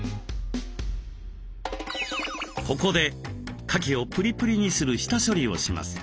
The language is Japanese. ここでかきをプリプリにする下処理をします。